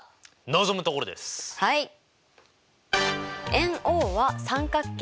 円Ｏは三角形